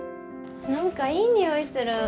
何かいい匂いする。